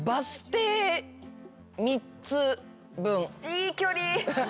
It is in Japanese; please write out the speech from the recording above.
いい距離！